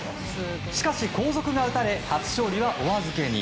しかし、後続が打たれ初勝利はお預けに。